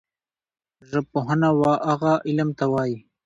ژبپوهنه وهغه علم ته وايي